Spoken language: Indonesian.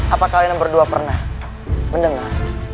apa kalian berdua pernah mendengar